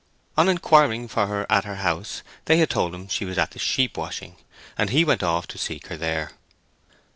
On inquiring for her at her house they had told him she was at the sheep washing, and he went off to seek her there.